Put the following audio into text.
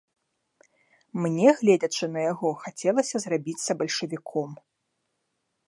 Мне, гледзячы на яго, хацелася зрабіцца бальшавіком.